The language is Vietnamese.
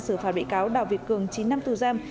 xử phạt bị cáo đào việt cường chín năm tù giam